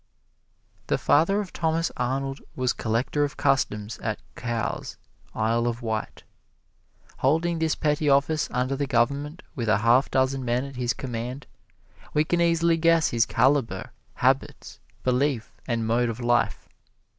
The father of Thomas Arnold was Collector of Customs at Cowes, Isle of Wight. Holding this petty office under the Government, with a half dozen men at his command, we can easily guess his caliber, habits, belief and mode of life.